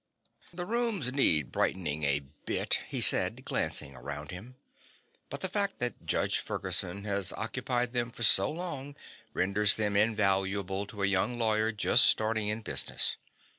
"The rooms need brightening a bit," he said, glancing around him, "but the fact that Judge Ferguson has occupied them for so long renders them invaluable to a young lawyer just starting in business.